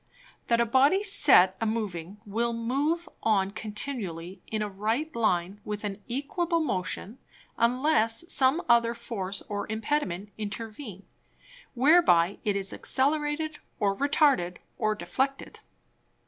_ That a Body set a moving, will move on continually in a right Line with an equable Motion, unless some other Force or Impediment intervene, whereby it is accelerated, or retarded, or deflected.